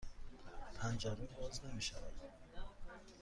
پنجره باز نمی شود.